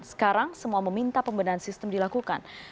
sekarang semua meminta pembenahan sistem dilakukan